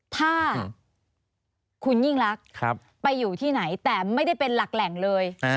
ถ้าคุณยิ่งรักไปอยู่ที่ไหนแต่ไม่ได้เป็นหลักแหล่งเลย